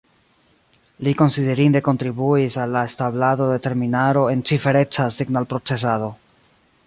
Li konsiderinde kontribuis al la establado de terminaro en cifereca signalprocesado.